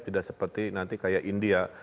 tidak seperti nanti kayak india